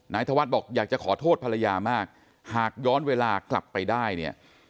ธวัฒน์บอกอยากจะขอโทษภรรยามากหากย้อนเวลากลับไปได้เนี่ย